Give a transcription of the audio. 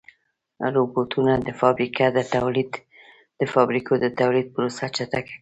روبوټونه د فابریکو د تولید پروسه چټکه کوي.